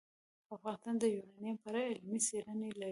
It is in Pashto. افغانستان د یورانیم په اړه علمي څېړنې لري.